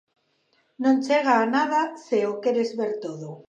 _Non chega a nada se o queres ver todo.